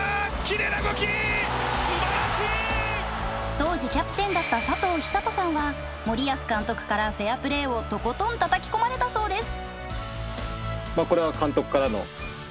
当時キャプテンだった佐藤寿人さんは森保監督からフェアプレーをとことんたたき込まれたそうです。